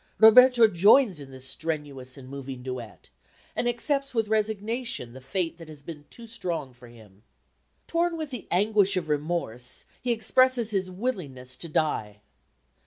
Roberto joins in this strenuous and moving duet, and accepts with resignation the fate that has been too strong for him. Torn with the anguish of remorse he expresses his willingness to die.